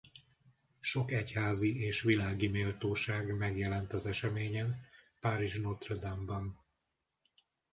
Sok egyházi és világi méltóság megjelent az eseményen párizsi Notre-Dame-ban.